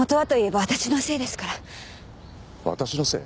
私のせい？